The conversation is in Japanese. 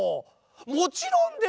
もちろんですよ！